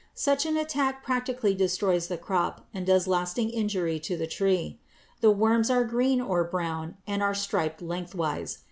Such an attack practically destroys the crop and does lasting injury to the tree. The worms are green or brown and are striped lengthwise.